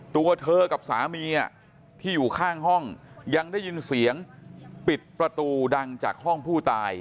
ตัวเธอกับสามีที่อยู่ข้างห้องยังได้ยินเสียงปิดประตูดังจากห้องผู้ตาย